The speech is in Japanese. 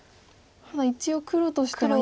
ただ一応黒としては。